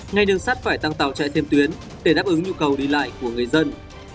ngành đường sắt phải tăng tàu chạy thêm tuyến để đáp ứng nhu cầu đi lại của người dân